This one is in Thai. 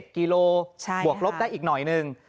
กิโลบวกลบได้อีกหน่อยหนึ่ง